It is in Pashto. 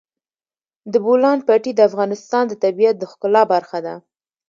د بولان پټي د افغانستان د طبیعت د ښکلا برخه ده.